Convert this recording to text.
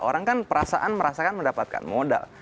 orang kan perasaan merasakan mendapatkan modal